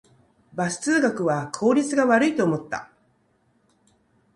バス通学は効率が悪いと思った